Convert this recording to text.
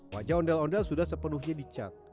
wajah ondel ondel sudah sepenuhnya dicat